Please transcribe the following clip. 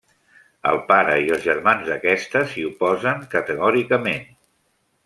El pare i els germans d'aquesta s'hi oposen categòricament.